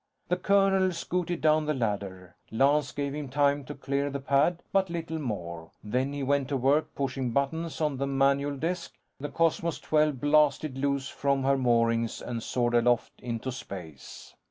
The colonel scooted down the ladder. Lance gave him time to clear the pad, but little more; then he went to work pushing buttons on the manual desk. The Cosmos XII blasted loose from her moorings and soared aloft into space.